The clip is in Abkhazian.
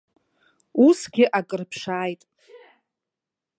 Усгьы ак рыԥшааит.